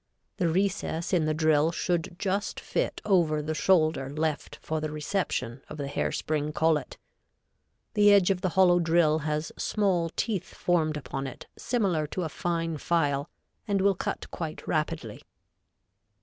The recess in the drill should just fit over the shoulder left for the reception of the hair spring collet. The edge of the hollow drill has small teeth formed upon it similar to a fine file, and will cut quite rapidly.